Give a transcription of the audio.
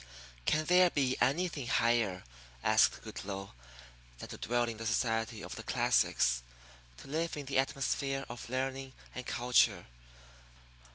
"Can there be anything higher," asked Goodloe, "than to dwell in the society of the classics, to live in the atmosphere of learning and culture?